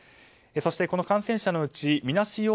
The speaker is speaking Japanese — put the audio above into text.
そして、この感染者のうちみなし